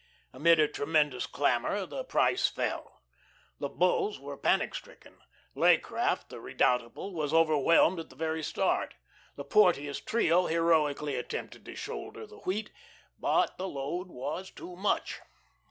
Amid a tremendous clamour the price fell. The Bulls were panic stricken. Leaycraft the redoubtable was overwhelmed at the very start. The Porteous trio heroically attempted to shoulder the wheat, but the load was too much.